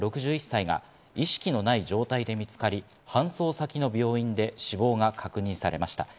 ６１歳が意識のない状態で見つかり、搬送先の病院で死亡が確認されました。